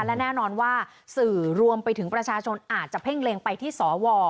และแน่นอนว่าสื่อรวมไปถึงประชาชนอาจจะเพ่งเล็งไปที่สว